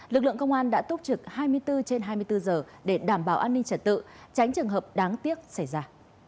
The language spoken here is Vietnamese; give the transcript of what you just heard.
lực lượng công an đã túc trực hai mươi bốn trên hai mươi bốn giờ để đảm bảo an ninh trật tự tránh trường hợp đáng tiếc xảy ra